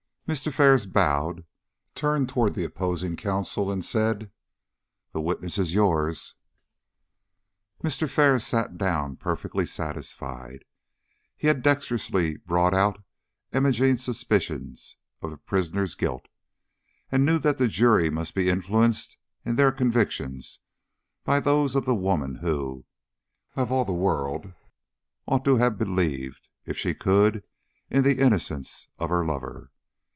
Mr. Ferris bowed, turned toward the opposing counsel and said: "The witness is yours." Mr. Ferris sat down perfectly satisfied. He had dexterously brought out Imogene's suspicions of the prisoner's guilt, and knew that the jury must be influenced in their convictions by those of the woman who, of all the world, ought to have believed, if she could, in the innocence of her lover.